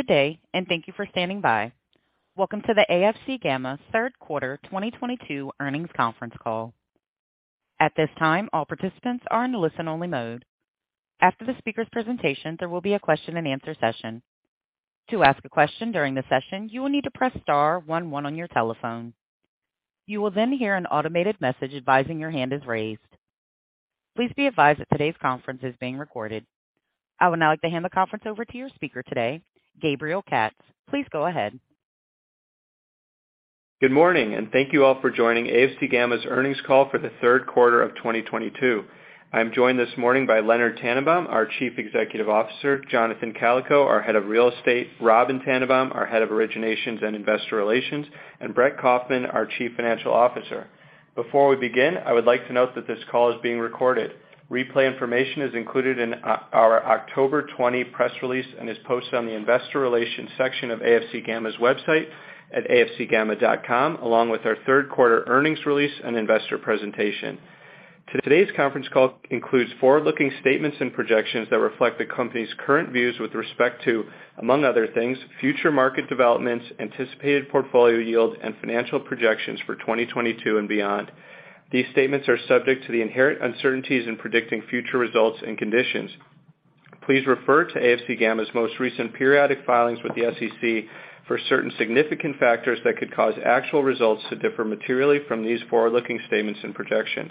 Good day. Thank you for standing by. Welcome to the AFC Gamma Third Quarter 2022 Earnings Conference Call. At this time, all participants are in listen-only mode. After the speaker's presentation, there will be a question and answer session. To ask a question during the session, you will need to press star one one on your telephone. You will then hear an automated message advising your hand is raised. Please be advised that today's conference is being recorded. I would now like to hand the conference over to your speaker today, Gabriel Katz. Please go ahead. Good morning. Thank you all for joining AFC Gamma's earnings call for the third quarter of 2022. I am joined this morning by Leonard Tannenbaum, our Chief Executive Officer, Jonathan Kalikow, our Head of Real Estate, Robyn Tannenbaum, our Head of Originations and Investor Relations, and Brett Kaufman, our Chief Financial Officer. Before we begin, I would like to note that this call is being recorded. Replay information is included in our October 20 press release and is posted on the investor relations section of afcgamma.com, along with our third quarter earnings release and investor presentation. Today's conference call includes forward-looking statements and projections that reflect the company's current views with respect to, among other things, future market developments, anticipated portfolio yield, and financial projections for 2022 and beyond. These statements are subject to the inherent uncertainties in predicting future results and conditions. Please refer to AFC Gamma's most recent periodic filings with the SEC for certain significant factors that could cause actual results to differ materially from these forward-looking statements and projections.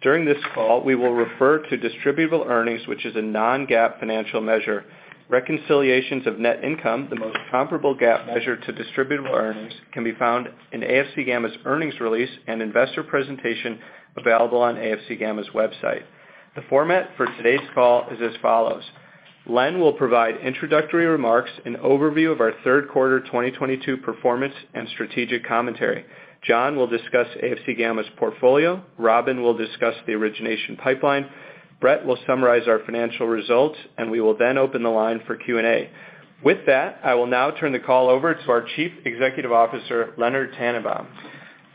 During this call, we will refer to distributable earnings, which is a non-GAAP financial measure. Reconciliations of net income, the most comparable GAAP measure to distributable earnings, can be found in AFC Gamma's earnings release and investor presentation available on AFC Gamma's website. The format for today's call is as follows. Len will provide introductory remarks, an overview of our third quarter 2022 performance, and strategic commentary. John will discuss AFC Gamma's portfolio. Robyn will discuss the origination pipeline. Brett will summarize our financial results. We will then open the line for Q&A. With that, I will now turn the call over to our Chief Executive Officer, Leonard Tannenbaum.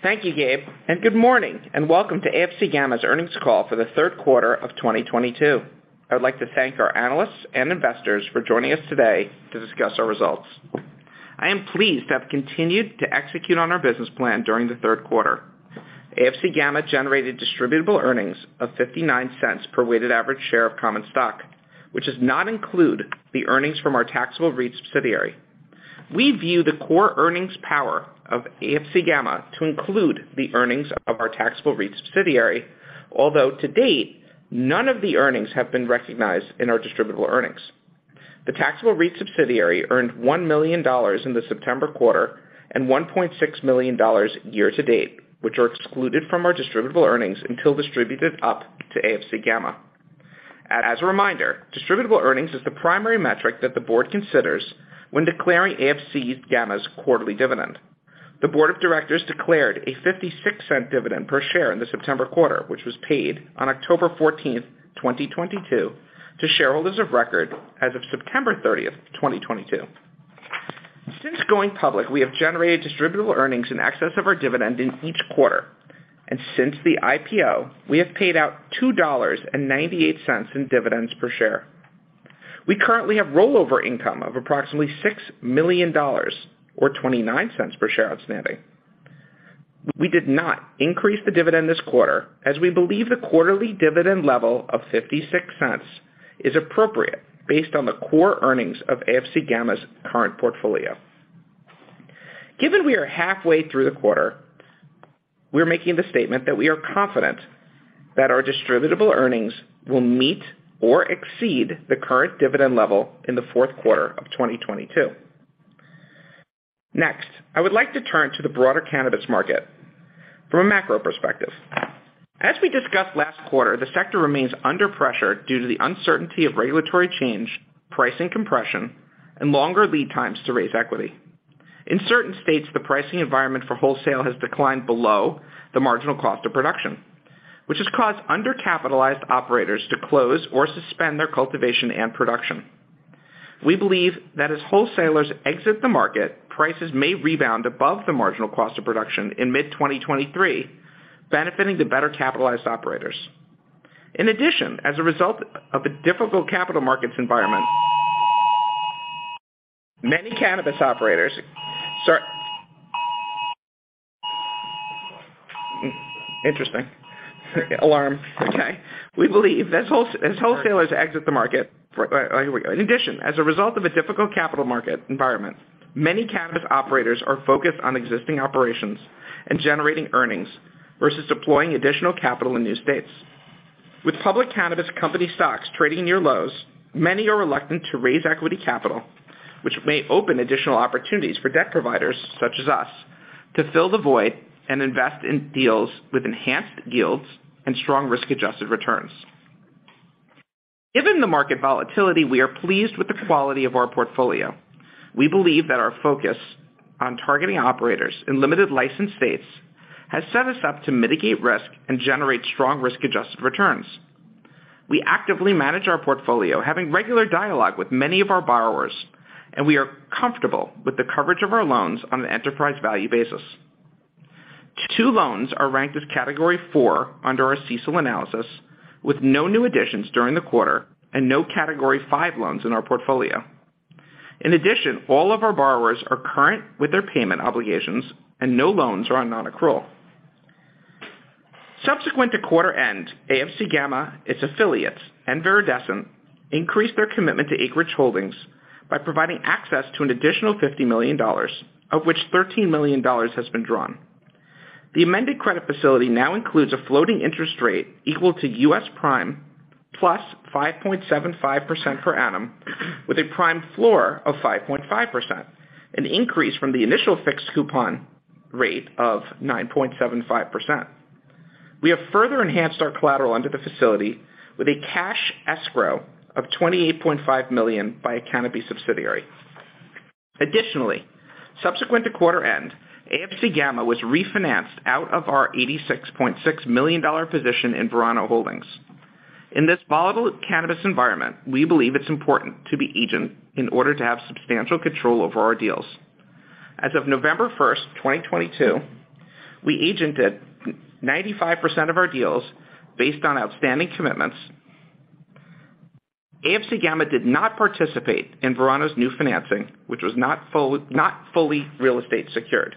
Thank you, Gabe. Good morning, and welcome to AFC Gamma's earnings call for the third quarter of 2022. I would like to thank our analysts and investors for joining us today to discuss our results. I am pleased to have continued to execute on our business plan during the third quarter. AFC Gamma generated distributable earnings of $0.59 per weighted average share of common stock, which does not include the earnings from our taxable REIT subsidiary. We view the core earnings power of AFC Gamma to include the earnings of our taxable REIT subsidiary. To date, none of the earnings have been recognized in our distributable earnings. The taxable REIT subsidiary earned $1 million in the September quarter and $1.6 million year to date, which are excluded from our distributable earnings until distributed up to AFC Gamma. As a reminder, distributable earnings is the primary metric that the board considers when declaring AFC Gamma's quarterly dividend. The board of directors declared a $0.56 dividend per share in the September quarter, which was paid on October 14th, 2022 to shareholders of record as of September 30th, 2022. Since going public, we have generated distributable earnings in excess of our dividend in each quarter. Since the IPO, we have paid out $2.98 in dividends per share. We currently have rollover income of approximately $6 million, or $0.29 per share outstanding. We did not increase the dividend this quarter as we believe the quarterly dividend level of $0.56 is appropriate based on the core earnings of AFC Gamma's current portfolio. Given we are halfway through the quarter, we are making the statement that we are confident that our distributable earnings will meet or exceed the current dividend level in the fourth quarter of 2022. Next, I would like to turn to the broader cannabis market from a macro perspective. As we discussed last quarter, the sector remains under pressure due to the uncertainty of regulatory change, pricing compression, and longer lead times to raise equity. In certain states, the pricing environment for wholesale has declined below the marginal cost of production, which has caused undercapitalized operators to close or suspend their cultivation and production. We believe that as wholesalers exit the market, prices may rebound above the marginal cost of production in mid 2023, benefiting the better capitalized operators. In addition, as a result of a difficult capital markets environment, many cannabis operators are Interesting. Alarm. Okay. We believe as wholesalers exit the market. Here we go. In addition, as a result of a difficult capital market environment, many cannabis operators are focused on existing operations and generating earnings versus deploying additional capital in new states. With public cannabis company stocks trading near lows, many are reluctant to raise equity capital, which may open additional opportunities for debt providers such as us to fill the void and invest in deals with enhanced yields and strong risk-adjusted returns. Given the market volatility, we are pleased with the quality of our portfolio. We believe that our focus on targeting operators in limited license states has set us up to mitigate risk and generate strong risk-adjusted returns. We actively manage our portfolio, having regular dialogue with many of our borrowers, and we are comfortable with the coverage of our loans on an enterprise value basis. Two loans are ranked as category 4 under our CECL analysis, with no new additions during the quarter and no category 5 loans in our portfolio. In addition, all of our borrowers are current with their payment obligations and no loans are on non-accrual. Subsequent to quarter end, AFC Gamma, its affiliates, and Viridescent increased their commitment to Acreage Holdings by providing access to an additional $50 million, of which $13 million has been drawn. The amended credit facility now includes a floating interest rate equal to US Prime plus 5.75% per annum, with a prime floor of 5.5%, an increase from the initial fixed coupon rate of 9.75%. We have further enhanced our collateral under the facility with a cash escrow of $28.5 million by a Canopy subsidiary. Additionally, subsequent to quarter end, AFC Gamma was refinanced out of our $86.6 million position in Verano Holdings. In this volatile cannabis environment, we believe it's important to be an agent in order to have substantial control over our deals. As of November 1st, 2022, we agented 95% of our deals based on outstanding commitments. AFC Gamma did not participate in Verano's new financing, which was not fully real estate secured.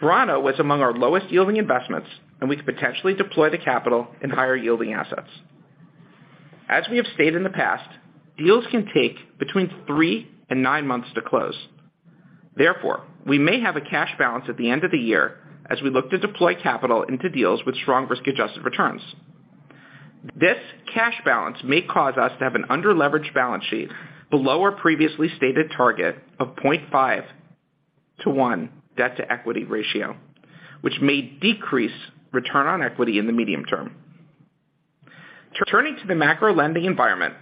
Verano was among our lowest-yielding investments, and we could potentially deploy the capital in higher-yielding assets. As we have stated in the past, deals can take between three and nine months to close. Therefore, we may have a cash balance at the end of the year as we look to deploy capital into deals with strong risk-adjusted returns. This cash balance may cause us to have an under-leveraged balance sheet below our previously stated target of 0.5 to one debt-to-equity ratio, which may decrease return on equity in the medium term. Turning to the macro lending environment,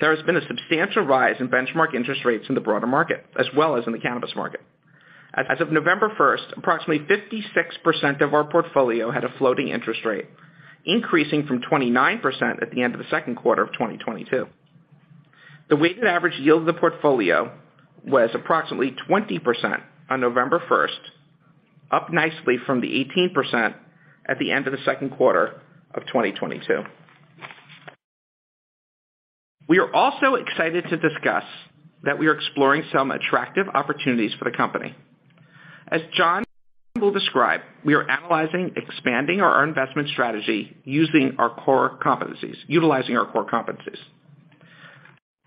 there has been a substantial rise in benchmark interest rates in the broader market as well as in the cannabis market. As of November 1st, approximately 56% of our portfolio had a floating interest rate, increasing from 29% at the end of the second quarter of 2022. The weighted average yield of the portfolio was approximately 20% on November 1st, up nicely from the 18% at the end of the second quarter of 2022. We are also excited to discuss that we are exploring some attractive opportunities for the company. As John will describe, we are analyzing expanding our investment strategy utilizing our core competencies.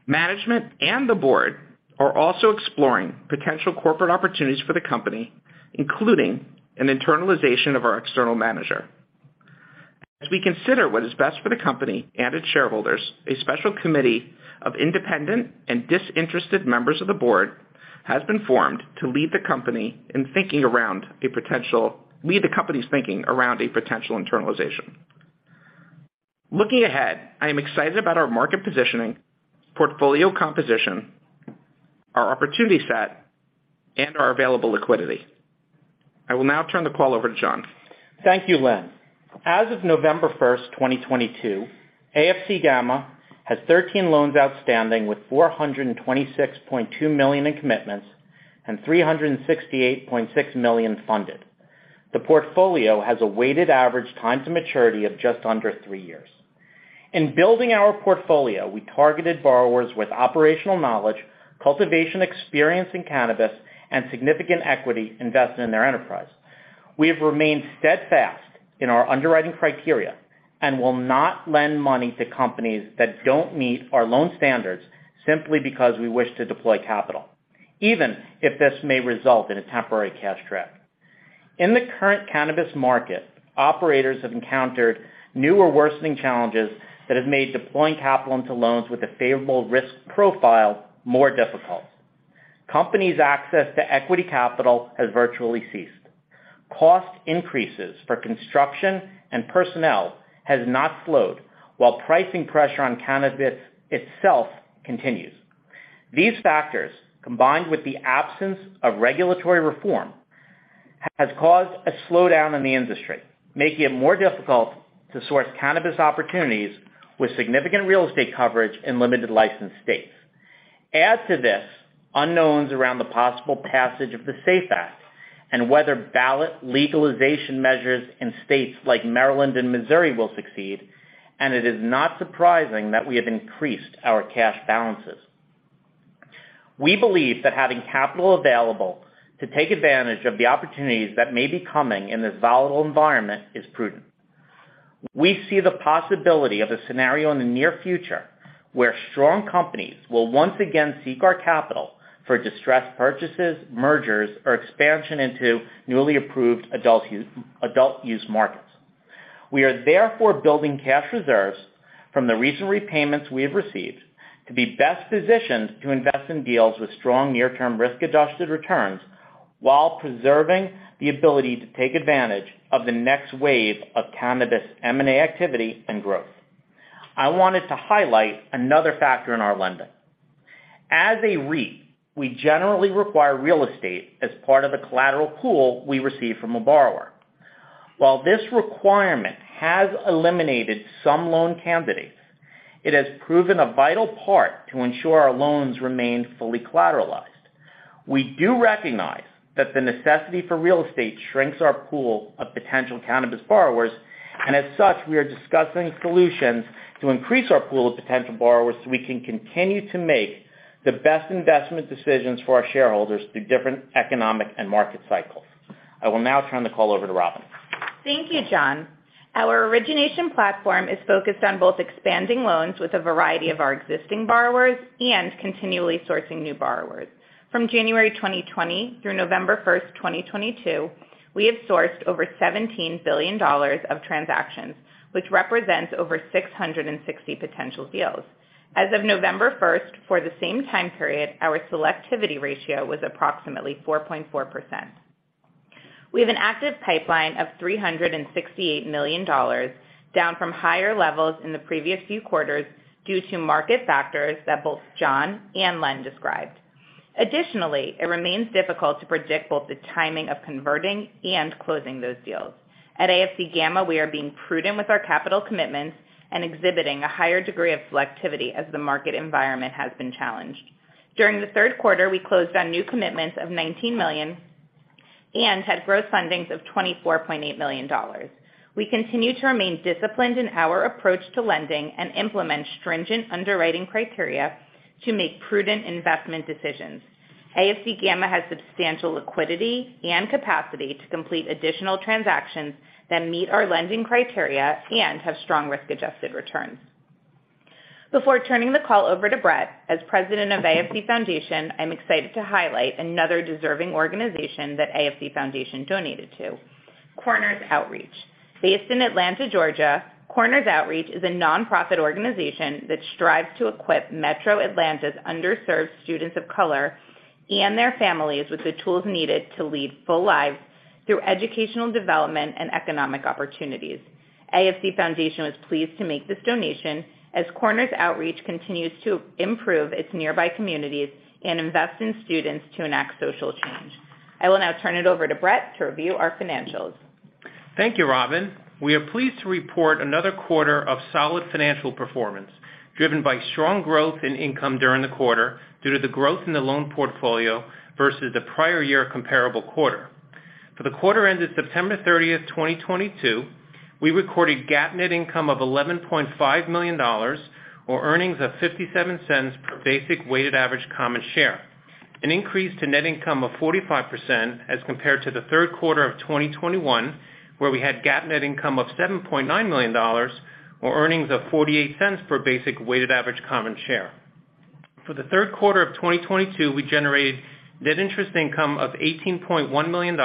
Management and the board are also exploring potential corporate opportunities for the company, including an internalization of our external manager. As we consider what is best for the company and its shareholders, a special committee of independent and disinterested members of the board has been formed to lead the company's thinking around a potential internalization. Looking ahead, I am excited about our market positioning, portfolio composition, our opportunity set, and our available liquidity. I will now turn the call over to John. Thank you, Len. As of November 1st, 2022, AFC Gamma has 13 loans outstanding with $426.2 million in commitments and $368.6 million funded. The portfolio has a weighted average time to maturity of just under three years. In building our portfolio, we targeted borrowers with operational knowledge, cultivation experience in cannabis, and significant equity invested in their enterprise. We have remained steadfast in our underwriting criteria and will not lend money to companies that don't meet our loan standards simply because we wish to deploy capital, even if this may result in a temporary cash trap. In the current cannabis market, operators have encountered new or worsening challenges that have made deploying capital into loans with a favorable risk profile more difficult. Companies' access to equity capital has virtually ceased. Cost increases for construction and personnel has not slowed, while pricing pressure on cannabis itself continues. These factors, combined with the absence of regulatory reform, has caused a slowdown in the industry, making it more difficult to source cannabis opportunities with significant real estate coverage in limited license states. It is not surprising that we have increased our cash balances. We believe that having capital available to take advantage of the opportunities that may be coming in this volatile environment is prudent. We see the possibility of a scenario in the near future where strong companies will once again seek our capital for distressed purchases, mergers, or expansion into newly approved adult use markets. We are therefore building cash reserves from the recent repayments we have received to be best positioned to invest in deals with strong near-term risk-adjusted returns while preserving the ability to take advantage of the next wave of cannabis M&A activity and growth. I wanted to highlight another factor in our lending. As a REIT, we generally require real estate as part of the collateral pool we receive from a borrower. While this requirement has eliminated some loan candidates, it has proven a vital part to ensure our loans remain fully collateralized. We do recognize that the necessity for real estate shrinks our pool of potential cannabis borrowers. As such, we are discussing solutions to increase our pool of potential borrowers so we can continue to make the best investment decisions for our shareholders through different economic and market cycles. I will now turn the call over to Robyn. Thank you, John. Our origination platform is focused on both expanding loans with a variety of our existing borrowers and continually sourcing new borrowers. From January 2020 through November 1st, 2022, we have sourced over $17 billion of transactions, which represents over 660 potential deals. As of November 1st, for the same time period, our selectivity ratio was approximately 4.4%. We have an active pipeline of $368 million, down from higher levels in the previous few quarters due to market factors that both John and Len described. Additionally, it remains difficult to predict both the timing of converting and closing those deals. At AFC Gamma, we are being prudent with our capital commitments and exhibiting a higher degree of selectivity as the market environment has been challenged. During the third quarter, we closed on new commitments of $19 million and had gross fundings of $24.8 million. We continue to remain disciplined in our approach to lending and implement stringent underwriting criteria to make prudent investment decisions. AFC Gamma has substantial liquidity and capacity to complete additional transactions that meet our lending criteria and have strong risk-adjusted returns. Before turning the call over to Brett, as President of AFC Foundation, I'm excited to highlight another deserving organization that AFC Foundation donated to, Corners Outreach. Based in Atlanta, Georgia, Corners Outreach is a nonprofit organization that strives to equip metro Atlanta's underserved students of color and their families with the tools needed to lead full lives through educational development and economic opportunities. AFC Foundation was pleased to make this donation as Corners Outreach continues to improve its nearby communities and invest in students to enact social change. I will now turn it over to Brett to review our financials. Thank you, Robyn. We are pleased to report another quarter of solid financial performance, driven by strong growth in income during the quarter due to the growth in the loan portfolio versus the prior year comparable quarter. For the quarter ended September 30th, 2022, we recorded GAAP net income of $11.5 million, or earnings of $0.57 per basic weighted average common share, an increase to net income of 45% as compared to the third quarter of 2021, where we had GAAP net income of $7.9 million, or earnings of $0.48 per basic weighted average common share. For the third quarter of 2022, we generated net interest income of $18.1 million,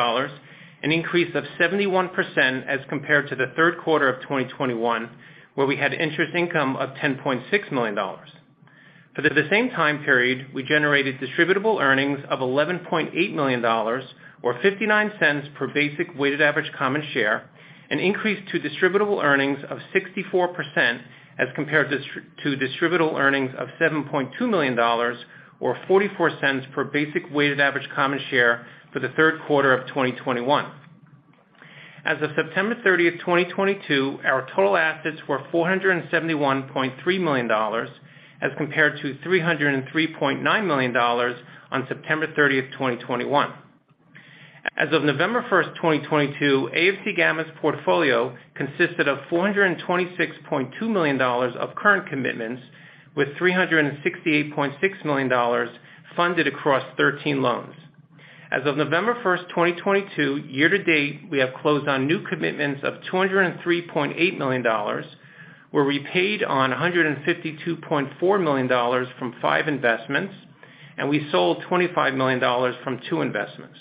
an increase of 71% as compared to the third quarter of 2021, where we had interest income of $10.6 million. For the same time period, we generated distributable earnings of $11.8 million, or $0.59 per basic weighted average common share, an increase to distributable earnings of 64% as compared to distributable earnings of $7.2 million, or $0.44 per basic weighted average common share for the third quarter of 2021. As of September 30th, 2022, our total assets were $471.3 million as compared to $303.9 million on September 30th, 2021. As of November 1st, 2022, AFC Gamma's portfolio consisted of $426.2 million of current commitments, with $368.6 million funded across 13 loans. As of November 1st, 2022, year-to-date, we have closed on new commitments of $203.8 million, where we repaid on $152.4 million from five investments, and we sold $25 million from two investments.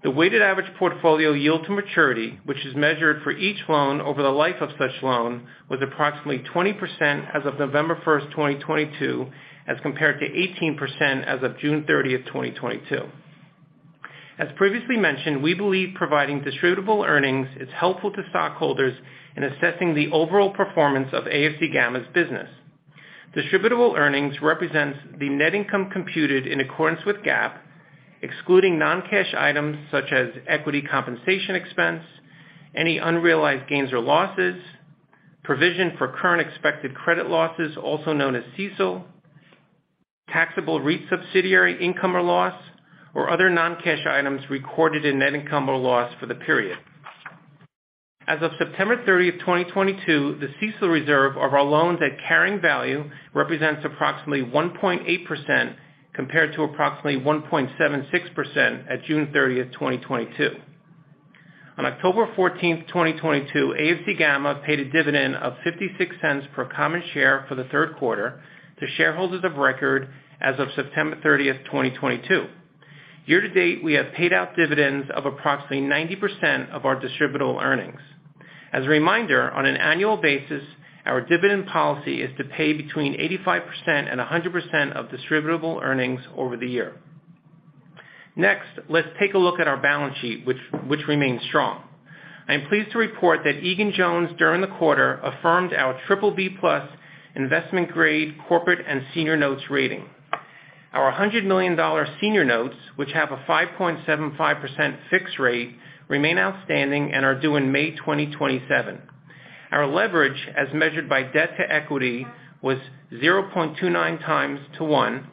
The weighted average portfolio yield to maturity, which is measured for each loan over the life of such loan, was approximately 20% as of November 1st, 2022, as compared to 18% as of June 30th, 2022. As previously mentioned, we believe providing distributable earnings is helpful to stockholders in assessing the overall performance of AFC Gamma's business. Distributable earnings represents the net income computed in accordance with GAAP, excluding non-cash items such as equity compensation expense, any unrealized gains or losses, provision for current expected credit losses, also known as CECL, taxable REIT subsidiary income or loss, or other non-cash items recorded in net income or loss for the period. As of September 30th, 2022, the CECL reserve of our loans at carrying value represents approximately 1.8%, compared to approximately 1.76% at June 30th, 2022. On October 14th, 2022, AFC Gamma paid a dividend of $0.56 per common share for the third quarter to shareholders of record as of September 30th, 2022. Year-to-date, we have paid out dividends of approximately 90% of our distributable earnings. As a reminder, on an annual basis, our dividend policy is to pay between 85%-100% of distributable earnings over the year. Next, let's take a look at our balance sheet, which remains strong. I am pleased to report that Egan-Jones during the quarter affirmed our BBB+ investment-grade corporate and senior notes rating Our $100 million senior notes, which have a 5.75% fixed rate, remain outstanding and are due in May 2027. Our leverage, as measured by debt to equity, was 0.29 times to one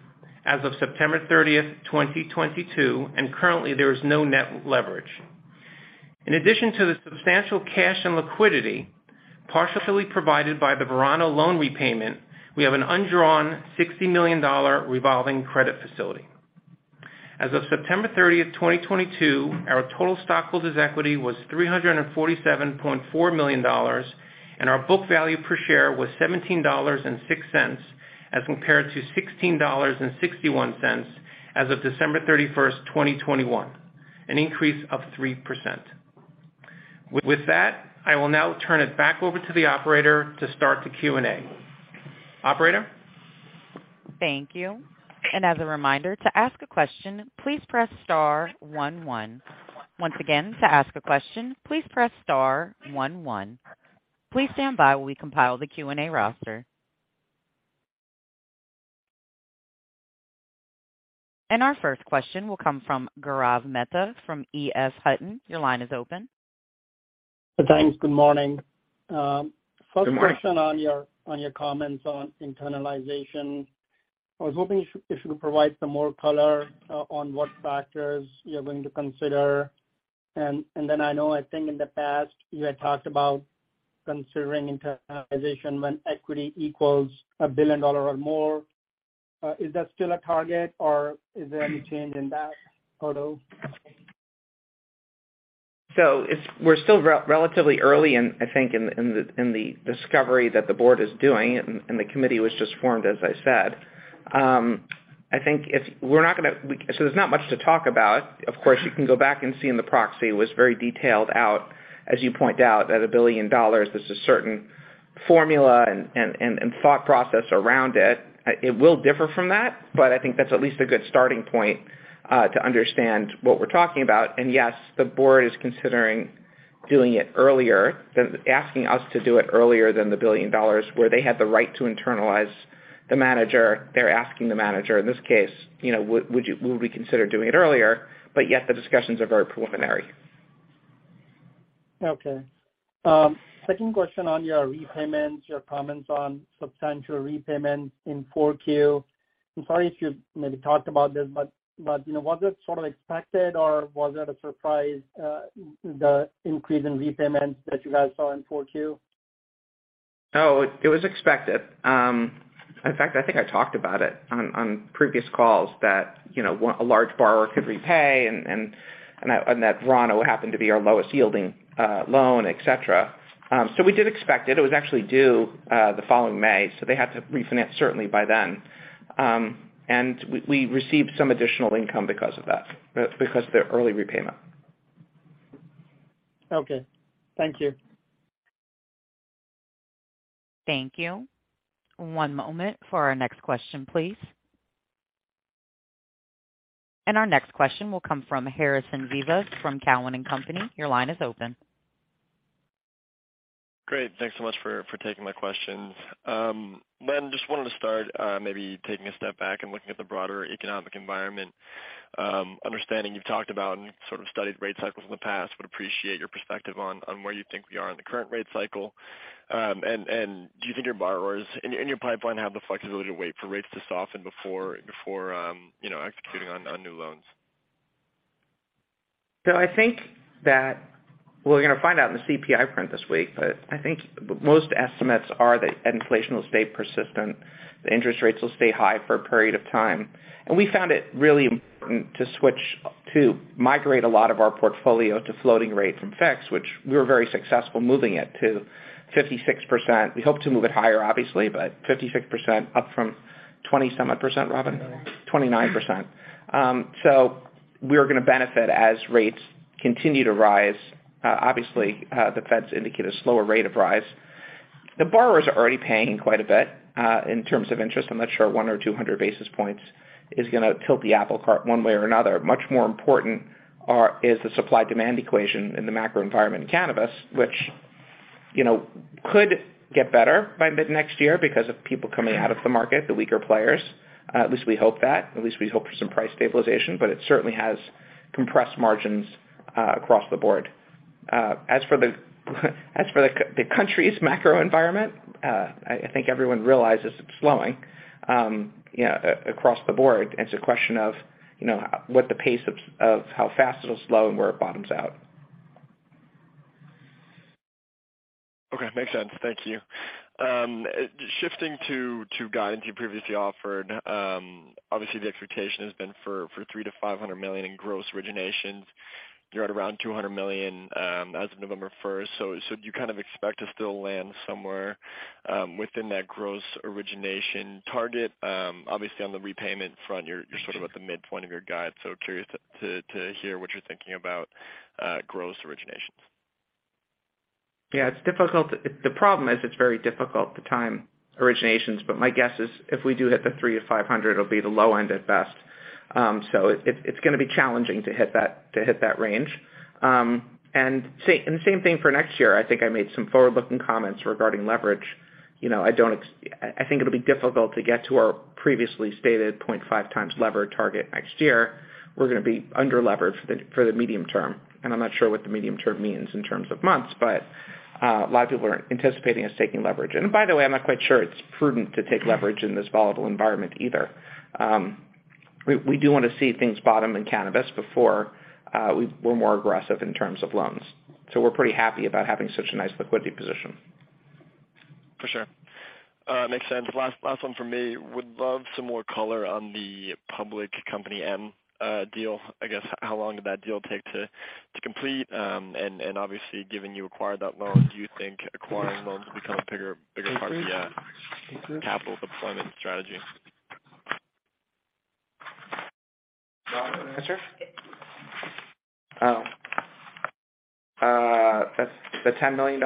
as of September 30th, 2022, and currently, there is no net leverage. In addition to the substantial cash and liquidity partially provided by the Verano loan repayment, we have an undrawn $60 million revolving credit facility. As of September 30th, 2022, our total stockholders' equity was $347.4 million, and our book value per share was $17.06 as compared to $16.61 as of December 31st, 2021, an increase of 3%. With that, I will now turn it back over to the operator to start the Q&A. Operator? Thank you. As a reminder, to ask a question, please press star one one. Once again, to ask a question, please press star one one. Please stand by while we compile the Q&A roster. Our first question will come from Gaurav Mehta from EF Hutton. Your line is open. Thanks. Good morning. Good morning. First question on your comments on internalization. I was hoping if you could provide some more color on what factors you're going to consider. I know, I think in the past you had talked about considering internalization when equity equals a billion dollars or more. Is that still a target or is there any change in that at all? We're still relatively early in the discovery that the board is doing, and the committee was just formed, as I said. There's not much to talk about. Of course, you can go back and see in the proxy it was very detailed out, as you point out, that a billion dollars, there's a certain formula and thought process around it. It will differ from that, but I think that's at least a good starting point, to understand what we're talking about. Yes, the board is considering doing it earlier, they're asking us to do it earlier than the billion dollars where they have the right to internalize the manager. They're asking the manager, in this case, "Would we consider doing it earlier?" Yet the discussions are very preliminary. Okay. Second question on your repayments, your comments on substantial repayments in 4Q. I'm sorry if you maybe talked about this, was it sort of expected or was it a surprise, the increase in repayments that you guys saw in 4Q? No, it was expected. In fact, I think I talked about it on previous calls that a large borrower could repay and that Verano happened to be our lowest yielding loan, et cetera. We did expect it. It was actually due the following May, so they had to refinance certainly by then. We received some additional income because of that, because of the early repayment. Okay. Thank you. Thank you. One moment for our next question, please. Our next question will come from Harrison Zivot from Cowen and Company. Your line is open. Great. Thanks so much for taking my questions. Len, just wanted to start maybe taking a step back and looking at the broader economic environment. Understanding you've talked about and sort of studied rate cycles in the past, would appreciate your perspective on where you think we are in the current rate cycle. Do you think your borrowers in your pipeline have the flexibility to wait for rates to soften before executing on new loans? I think that we're going to find out in the CPI print this week, but I think most estimates are that inflation will stay persistent. The interest rates will stay high for a period of time. We found it really important to migrate a lot of our portfolio to floating rates from fixed, which we were very successful moving it to 56%. We hope to move it higher, obviously, but 56% up from 20-somewhat percent, Robyn? Twenty-nine. 29%. We're going to benefit as rates continue to rise. The Fed indicate a slower rate of rise. The borrowers are already paying quite a bit, in terms of interest. I'm not sure 100 or 200 basis points is going to tilt the apple cart one way or another. Much more important is the supply-demand equation in the macro environment in cannabis, which could get better by mid-next year because of people coming out of the market, the weaker players. At least we hope that. At least we hope for some price stabilization. It certainly has compressed margins across the board. As for the country's macro environment, I think everyone realizes it's slowing across the board. It's a question of what the pace of how fast it'll slow and where it bottoms out. Okay. Makes sense. Thank you. Shifting to guidance you previously offered. The expectation has been for $300 million to $500 million in gross originations. You're at around $200 million as of November 1st. Do you kind of expect to still land somewhere within that gross origination target? On the repayment front, you're sort of at the midpoint of your guide, curious to hear what you're thinking about gross originations. The problem is it's very difficult to time originations, my guess is if we do hit the $300 million to $500 million, it'll be the low end at best. It's going to be challenging to hit that range. The same thing for next year. I think I made some forward-looking comments regarding leverage. I think it'll be difficult to get to our previously stated 0.5x lever target next year. We're going to be under-leveraged for the medium term, I'm not sure what the medium term means in terms of months, a lot of people are anticipating us taking leverage. By the way, I'm not quite sure it's prudent to take leverage in this volatile environment either. We do want to see things bottom in cannabis before we're more aggressive in terms of loans. We're pretty happy about having such a nice liquidity position. For sure. Makes sense. Last one from me. Would love some more color on the public company M deal. How long did that deal take to complete? Given you acquired that loan, do you think acquiring loans will become a bigger part of the capital deployment strategy? You want to answer? Oh. The $10 million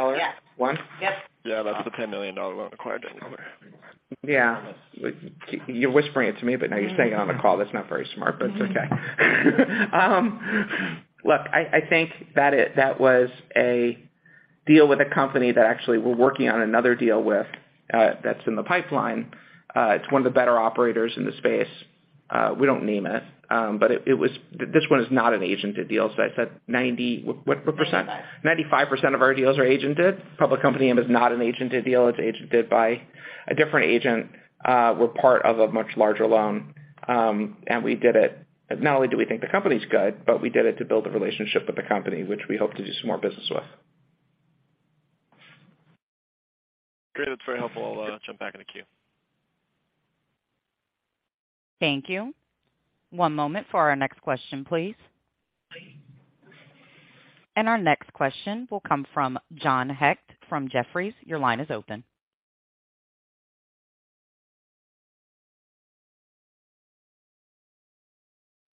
one? Yes. Yeah, that's the $10 million loan acquired during the quarter. Yeah. You're whispering it to me, but now you're saying it on the call. That's not very smart, but it's okay. Look, I think that was a deal with a company that actually we're working on another deal with that's in the pipeline. It's one of the better operators in the space. We don't name it. This one is not an agented deal. I said 90 What percent? 95%. 95% of our deals are agented. Public Company M is not an agented deal. It's agented by a different agent. We're part of a much larger loan. We did it, not only do we think the company's good, but we did it to build a relationship with the company, which we hope to do some more business with. Great. That's very helpful. I'll jump back in the queue. Thank you. One moment for our next question, please. Our next question will come from John Hecht from Jefferies. Your line is open.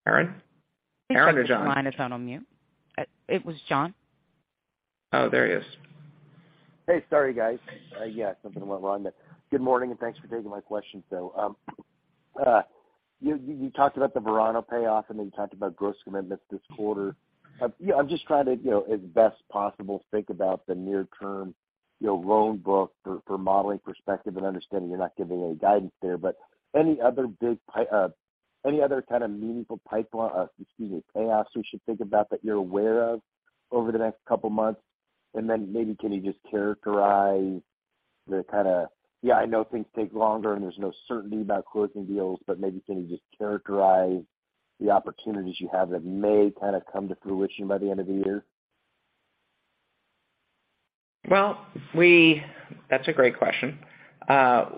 Aaron? Aaron or John? I think John's line is on mute. It was John. Oh, there he is. Hey, sorry guys. Yeah, something went wrong. Good morning, and thanks for taking my questions though. You talked about the Verano payoff. You talked about gross commitments this quarter. I'm just trying to, as best possible, think about the near term loan book for modeling perspective, understanding you're not giving any guidance there. Any other kind of meaningful payoffs we should think about that you're aware of over the next couple of months? Maybe, can you just characterize the kind of, yeah, I know things take longer. There's no certainty about closing deals. Maybe can you just characterize the opportunities you have that may kind of come to fruition by the end of the year? That's a great question.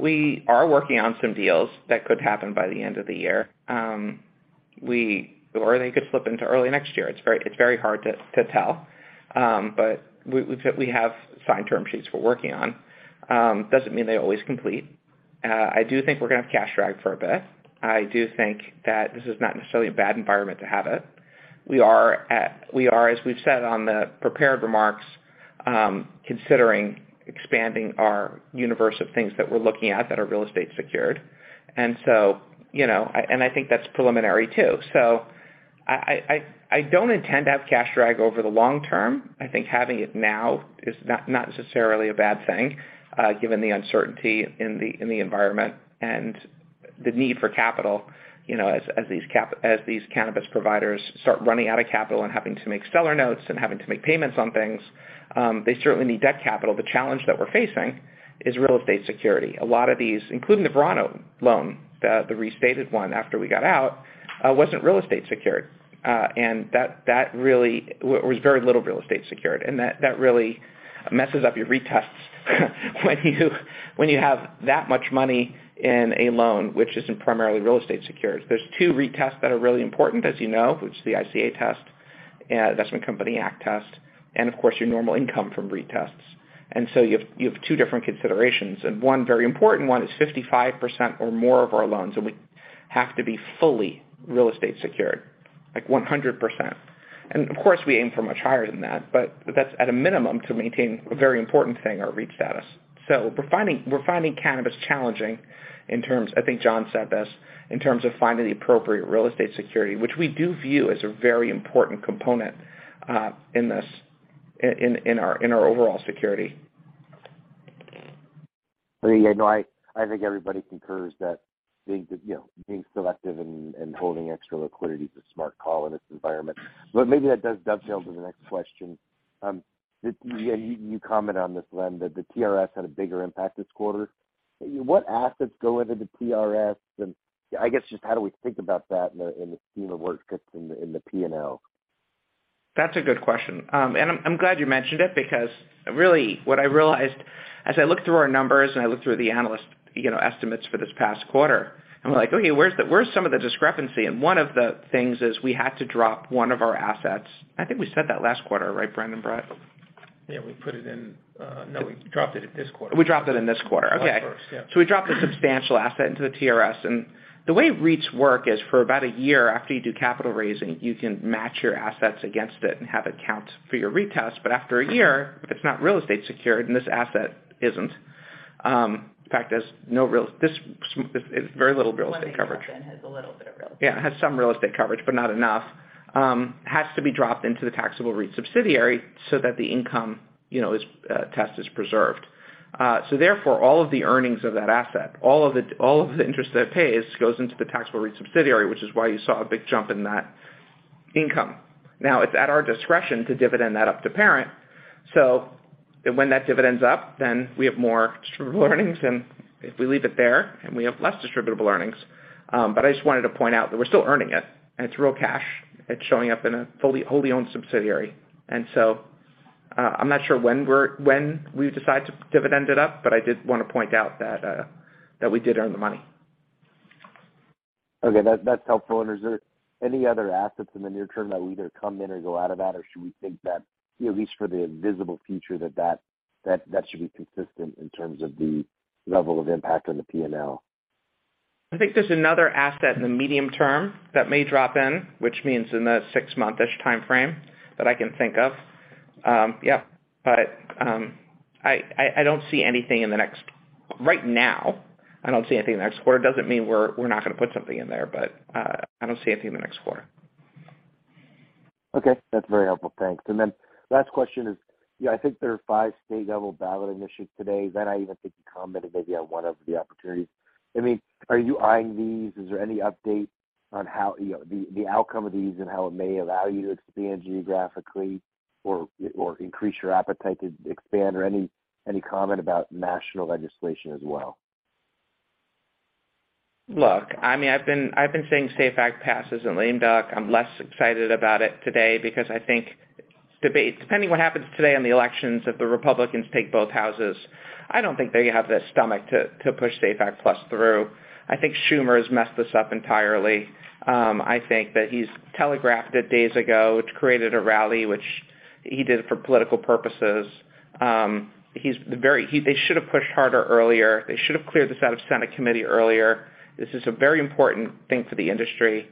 We are working on some deals that could happen by the end of the year. They could slip into early next year. It's very hard to tell. We have signed term sheets we're working on. Doesn't mean they always complete. I do think we're going to have cash drag for a bit. I do think that this is not necessarily a bad environment to have it. We are, as we've said on the prepared remarks, considering expanding our universe of things that we're looking at that are real estate secured. I think that's preliminary, too. I don't intend to have cash drag over the long term. I think having it now is not necessarily a bad thing given the uncertainty in the environment and the need for capital, as these cannabis providers start running out of capital and having to make seller notes and having to make payments on things. They certainly need debt capital. The challenge that we're facing is real estate security. A lot of these, including the Verano loan, the restated one after we got out, wasn't real estate secured. That really was very little real estate secured. That really messes up your REIT tests when you have that much money in a loan, which isn't primarily real estate secured. There's two REIT tests that are really important, as you know, which is the ICA test, Investment Company Act test, and of course, your normal income from REIT tests. You have two different considerations, and one very important one is 55% or more of our loans have to be fully real estate secured, like 100%. Of course, we aim for much higher than that. That's at a minimum to maintain a very important thing, our REIT status. We're finding cannabis challenging in terms, I think John said this, in terms of finding the appropriate real estate security, which we do view as a very important component in our overall security. I think everybody concurs that being selective and holding extra liquidity is a smart call in this environment. Maybe that does dovetail to the next question. You comment on this, Len, that the TRS had a bigger impact this quarter. What assets go into the TRS? And I guess just how do we think about that in the scheme of what gets in the P&L? That's a good question. I'm glad you mentioned it because really what I realized as I looked through our numbers and I looked through the analyst estimates for this past quarter, I'm like, "Okay, where's some of the discrepancy?" One of the things is we had to drop one of our assets. I think we said that last quarter, right, Brandon Hetzel? Yeah, we put it in No, we dropped it in this quarter. We dropped it in this quarter. Okay. July 1st. Yeah. We dropped a substantial asset into the TRS, and the way REITs work is for about a year after you do capital raising, you can match your assets against it and have it count for your REIT test. After a year, if it's not real estate secured, and this asset isn't. In fact, there's very little real estate coverage. One that you dropped in has a little bit of real estate. Yeah. It has some real estate coverage, but not enough. It has to be dropped into the taxable REIT subsidiary so that the income test is preserved. Therefore, all of the earnings of that asset, all of the interest that it pays, goes into the taxable REIT subsidiary, which is why you saw a big jump in that income. It's at our discretion to dividend that up to parent. When that dividend's up, then we have more distributable earnings, and if we leave it there, then we have less distributable earnings. I just wanted to point out that we're still earning it, and it's real cash. It's showing up in a wholly-owned subsidiary. I'm not sure when we decide to dividend it up, I did want to point out that we did earn the money. Okay. That's helpful. Is there any other assets in the near term that will either come in or go out of that, or should we think that at least for the visible future, that should be consistent in terms of the level of impact on the P&L? I think there's another asset in the medium term that may drop in, which means in the six-month-ish timeframe, that I can think of. Yeah. I don't see anything, right now, I don't see anything in the next quarter. Doesn't mean we're not going to put something in there, I don't see anything in the next quarter. Okay, that's very helpful. Thanks. Last question is, I think there are five state-level ballot initiatives today. Leonard Tannenbaum, I even think you commented maybe on one of the opportunities. Are you eyeing these? Is there any update on the outcome of these and how it may allow you to expand geographically or increase your appetite to expand or any comment about national legislation as well? Look, I've been saying SAFE Act passes in lame duck. I'm less excited about it today because I think, depending what happens today on the elections, if the Republicans take both Houses, I don't think they have the stomach to push SAFE Act plus through. I think Schumer has messed this up entirely. I think that he's telegraphed it days ago, which created a rally, which he did it for political purposes. They should have pushed harder earlier. They should have cleared this out of Senate committee earlier. This is a very important thing for the industry.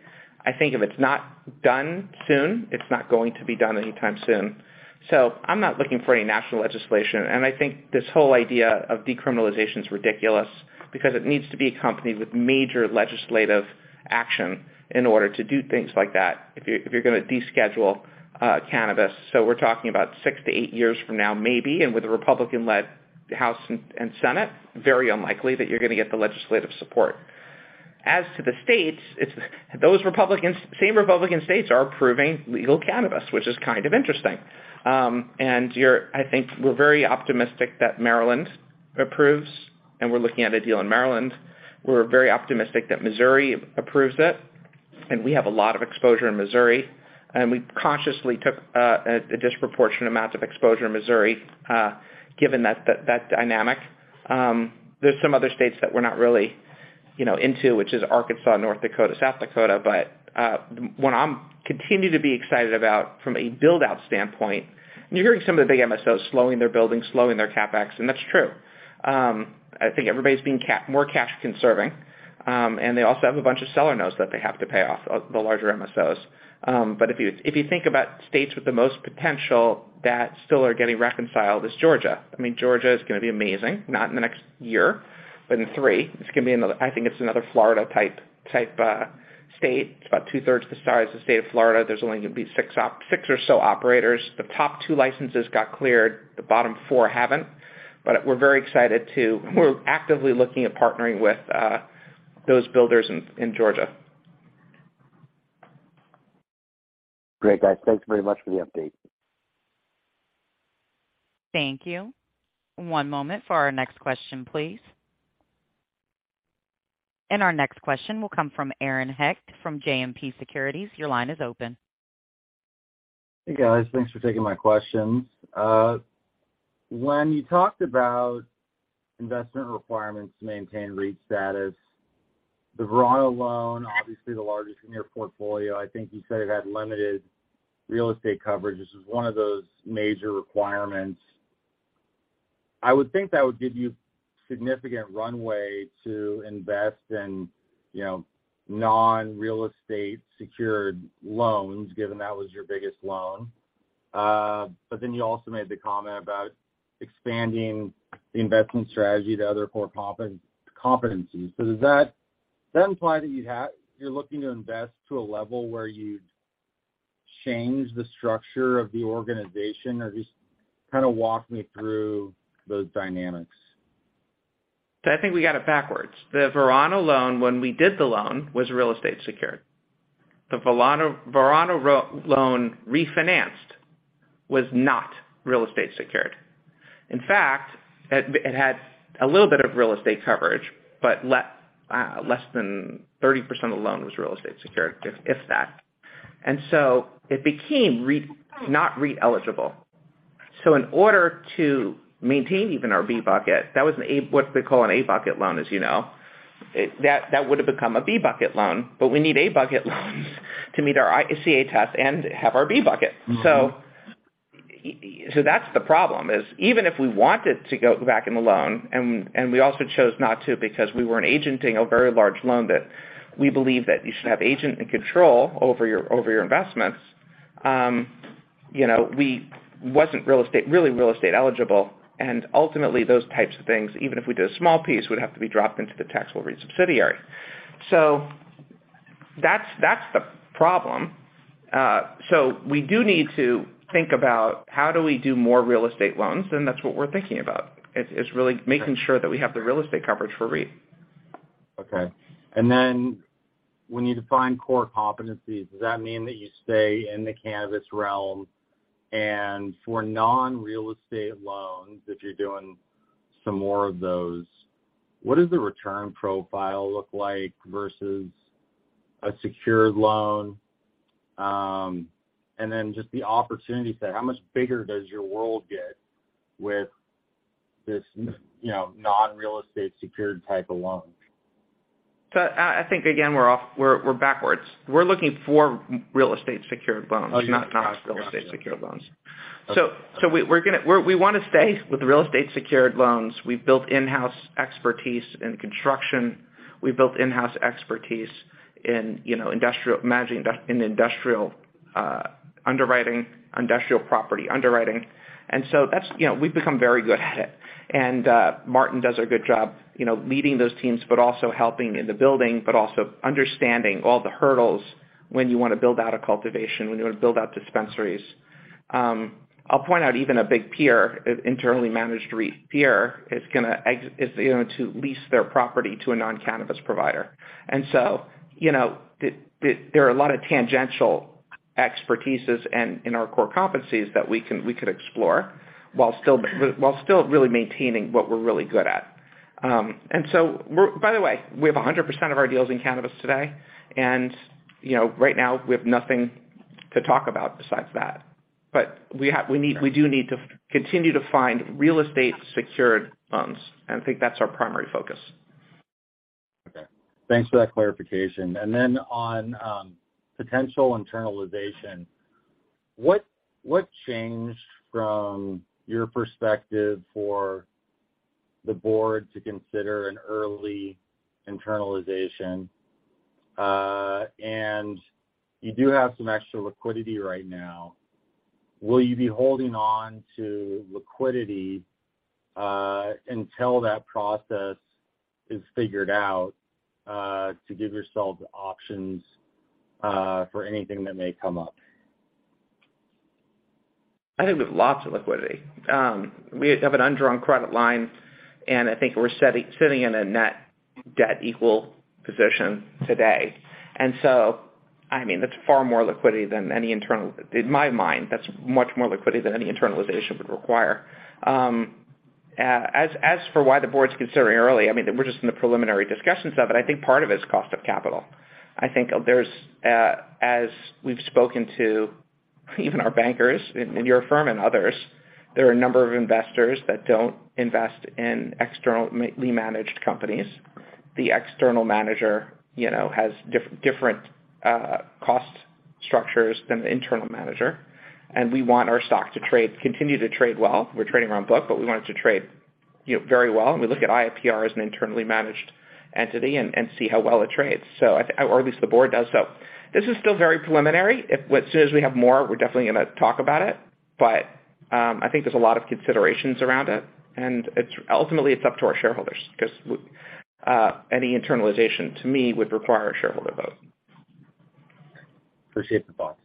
I think if it's not done soon, it's not going to be done anytime soon. I'm not looking for any national legislation, I think this whole idea of decriminalization is ridiculous because it needs to be accompanied with major legislative action in order to do things like that if you're going to deschedule cannabis. We're talking about 6-8 years from now, maybe, with a Republican-led House and Senate, very unlikely that you're going to get the legislative support. As to the states, same Republican states are approving legal cannabis, which is kind of interesting. I think we're very optimistic that Maryland approves, and we're looking at a deal in Maryland. We're very optimistic that Missouri approves it, and we have a lot of exposure in Missouri. We consciously took a disproportionate amount of exposure in Missouri, given that dynamic. There's some other states that we're not really into, which is Arkansas, North Dakota, South Dakota. What I'm continuing to be excited about from a build-out standpoint, you're hearing some of the big MSOs slowing their building, slowing their CapEx, and that's true. I think everybody's being more cash conserving. They also have a bunch of seller notes that they have to pay off, the larger MSOs. If you think about states with the most potential that still are getting reconciled, is Georgia. Georgia is going to be amazing, not in the next year, but in three. I think it's another Florida-type state. It's about two-thirds the size of the state of Florida. There's only going to be six or so operators. The top two licenses got cleared, the bottom four haven't. We're actively looking at partnering with those builders in Georgia. Great, guys. Thanks very much for the update. Thank you. One moment for our next question, please. Our next question will come from Aaron Hecht from JMP Securities. Your line is open. Hey, guys. Thanks for taking my questions. When you talked about investment requirements to maintain REIT status, the Verano loan, obviously the largest in your portfolio, I think you said it had limited real estate coverage. This is one of those major requirements. I would think that would give you significant runway to invest in non-real estate secured loans, given that was your biggest loan. You also made the comment about expanding the investment strategy to other core competencies. Does that imply that you're looking to invest to a level where you'd change the structure of the organization? Or just walk me through those dynamics. I think we got it backwards. The Verano loan, when we did the loan, was real estate secured. The Verano loan refinanced was not real estate secured. In fact, it had a little bit of real estate coverage, but less than 30% of the loan was real estate secured, if that. It became not REIT eligible. In order to maintain even our B bucket, that was what they call an A bucket loan, as you know. That would have become a B bucket loan, but we need A bucket loans to meet our ICA test and have our B bucket. That's the problem, is even if we wanted to go back in the loan, and we also chose not to because we weren't agenting a very large loan that we believe that you should have agent and control over your investments. We wasn't really real estate eligible, and ultimately those types of things, even if we did a small piece, would have to be dropped into the taxable REIT subsidiary. That's the problem. We do need to think about how do we do more real estate loans, and that's what we're thinking about, is really making sure that we have the real estate coverage for REIT. Okay. When you define core competencies, does that mean that you stay in the cannabis realm? For non-real estate loans, if you're doing some more of those, what does the return profile look like versus a secured loan? Just the opportunity set, how much bigger does your world get with this non-real estate secured type of loan? I think, again, we're backwards. We're looking for real estate secured loans. Okay, got you. Not non-real estate secured loans. Okay. We want to stay with real estate secured loans. We've built in-house expertise in construction. We've built in-house expertise in industrial underwriting, industrial property underwriting. We've become very good at it. Martin does a good job leading those teams, but also helping in the building, but also understanding all the hurdles when you want to build out a cultivation, when you want to build out dispensaries. I'll point out even a big peer, internally managed REIT peer, is going to lease their property to a non-cannabis provider. There are a lot of tangential expertises in our core competencies that we could explore while still really maintaining what we're really good at. By the way, we have 100% of our deals in cannabis today, and right now we have nothing to talk about besides that. We do need to continue to find real estate secured loans, and I think that's our primary focus. Okay. Thanks for that clarification. Then on potential internalization, what changed from your perspective for the board to consider an early internalization? You do have some extra liquidity right now. Will you be holding on to liquidity until that process is figured out to give yourselves options for anything that may come up? I think we've lots of liquidity. We have an undrawn credit line, and I think we're sitting in a net debt equal position today. So, in my mind, that's much more liquidity than any internalization would require. As for why the board's considering early, we're just in the preliminary discussions of it. I think part of it's cost of capital. I think as we've spoken to even our bankers in your firm and others, there are a number of investors that don't invest in externally managed companies. The external manager has different cost structures than the internal manager, and we want our stock to continue to trade well. We're trading around book, but we want it to trade very well, and we look at IIPR as an internally managed entity and see how well it trades, or at least the board does. This is still very preliminary. As soon as we have more, we're definitely going to talk about it. I think there's a lot of considerations around it, and ultimately it's up to our shareholders, because any internalization, to me, would require a shareholder vote. Appreciate the thoughts.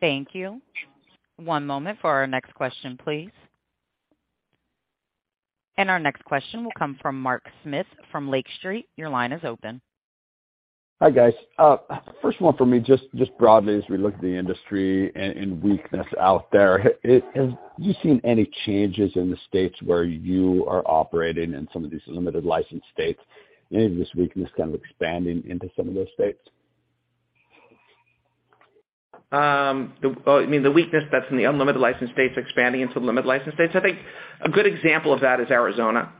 Thank you. One moment for our next question, please. Our next question will come from Mark Smith from Lake Street. Your line is open. Hi, guys. First one for me, just broadly as we look at the industry and weakness out there, have you seen any changes in the states where you are operating in some of these limited license states? Any of this weakness kind of expanding into some of those states? You mean the weakness that's in the unlimited license states expanding into the limited license states? I think a good example of that is Arizona.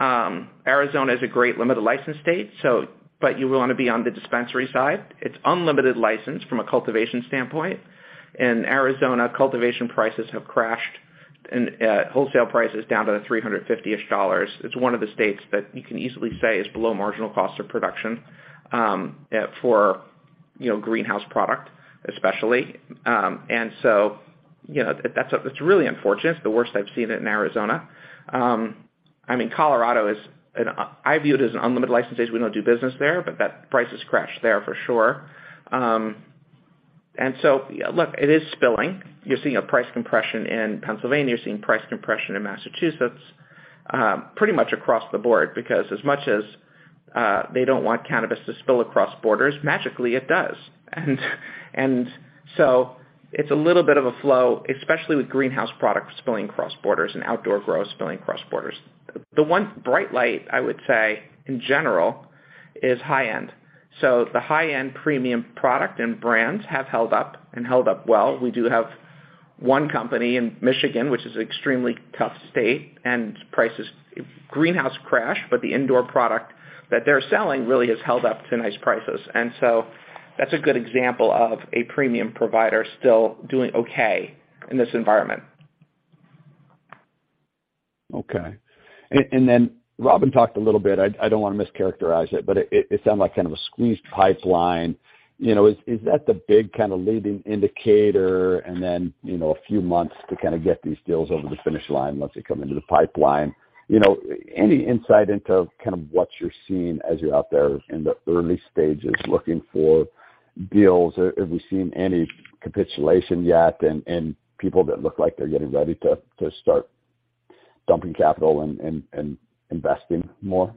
Arizona is a great limited license state, but you want to be on the dispensary side. It's unlimited license from a cultivation standpoint. In Arizona, cultivation prices have crashed and wholesale price is down to $350-ish dollars. It's one of the states that you can easily say is below marginal cost of production, for greenhouse product especially. It's really unfortunate. It's the worst I've seen it in Arizona. Colorado I view it as an unlimited license state, so we don't do business there, but that price has crashed there for sure. Look, it is spilling. You're seeing a price compression in Pennsylvania. You're seeing price compression in Massachusetts. Pretty much across the board, because as much as they don't want cannabis to spill across borders, magically it does. It's a little bit of a flow, especially with greenhouse products spilling across borders and outdoor grow spilling across borders. The one bright light, I would say, in general, is high-end. The high-end premium product and brands have held up and held up well. We do have one company in Michigan, which is an extremely tough state, and greenhouse crashed, but the indoor product that they're selling really has held up to nice prices. That's a good example of a premium provider still doing okay in this environment. Okay. And then Robyn talked a little bit, I don't want to mischaracterize it, but it sounded like kind of a squeezed pipeline. Is that the big leading indicator and then, a few months to get these deals over the finish line once they come into the pipeline? Any insight into what you're seeing as you're out there in the early stages looking for deals? Have we seen any capitulation yet and people that look like they're getting ready to start dumping capital and investing more?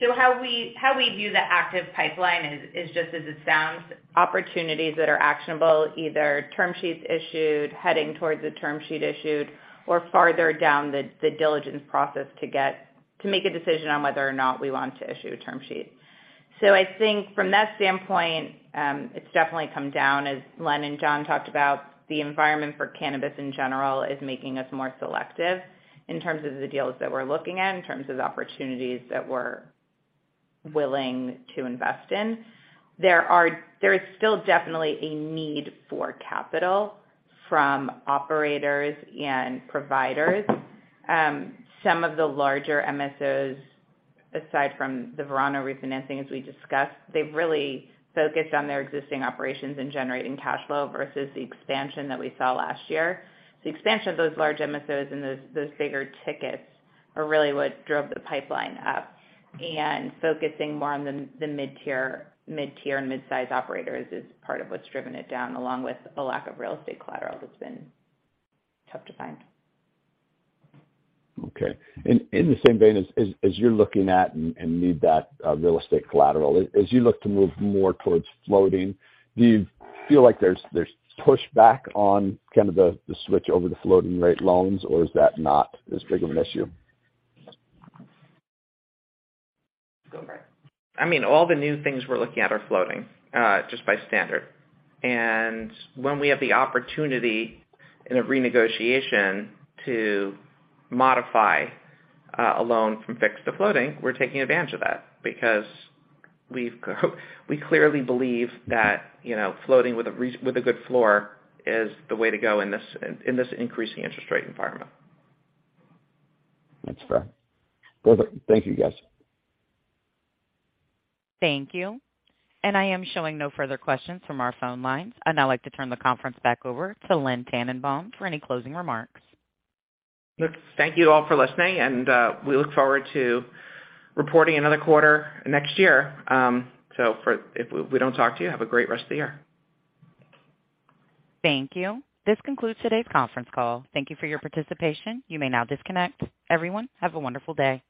How we view the active pipeline is just as it sounds, opportunities that are actionable, either term sheets issued, heading towards a term sheet issued, or farther down the diligence process to make a decision on whether or not we want to issue a term sheet. I think from that standpoint, it's definitely come down, as Len and John talked about, the environment for cannabis in general is making us more selective in terms of the deals that we're looking at, in terms of opportunities that we're willing to invest in. There is still definitely a need for capital from operators and providers. Some of the larger MSOs, aside from the Verano refinancing, as we discussed, they've really focused on their existing operations and generating cash flow versus the expansion that we saw last year. The expansion of those large MSOs and those bigger tickets are really what drove the pipeline up. Focusing more on the mid-tier and mid-size operators is part of what's driven it down, along with a lack of real estate collateral that's been tough to find. Okay. In the same vein, as you're looking at and need that real estate collateral, as you look to move more towards floating, do you feel like there's pushback on the switch over the floating rate loans, or is that not as big of an issue? Go for it. All the new things we're looking at are floating, just by standard. When we have the opportunity in a renegotiation to modify a loan from fixed to floating, we're taking advantage of that because we clearly believe that floating with a good floor is the way to go in this increasing interest rate environment. Thank you, guys. Thank you. I am showing no further questions from our phone lines. I'd now like to turn the conference back over to Len Tannenbaum for any closing remarks. Look, thank you all for listening. We look forward to reporting another quarter next year. If we don't talk to you, have a great rest of the year. Thank you. This concludes today's conference call. Thank you for your participation. You may now disconnect. Everyone, have a wonderful day.